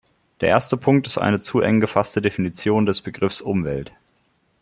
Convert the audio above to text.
Der erste Punkt ist eine zu eng gefasste Definition des Begriffs Umwelt.